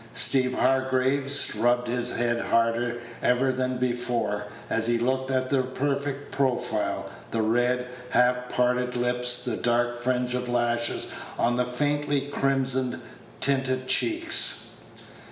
Steeve Hargraves rubbed his head harder even than before as he looked at the perfect profile, the red, half parted lips, the dark fringe of lashes on the faintly crimson tinted cheeks.